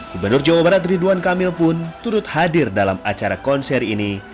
gubernur jawa barat ridwan kamil pun turut hadir dalam acara konser ini